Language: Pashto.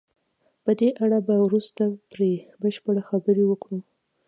په دې اړه به وروسته پرې بشپړې خبرې وکړو.